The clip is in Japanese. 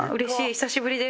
久しぶりです。